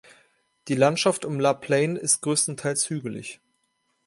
Die Landschaft um La Plaine ist größtenteils hügelig.